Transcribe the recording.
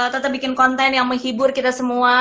tetap bikin konten yang menghibur kita semua